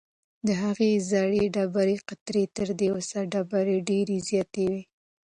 د هغې زړې ډبرې قطر تر دې اوسنۍ ډبرې ډېر زیات و.